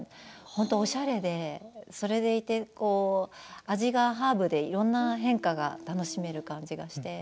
本当におしゃれでそれでいて味がハーブでいろいろな変化が楽しめる感じがして。